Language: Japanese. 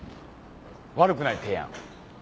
悪くない提案。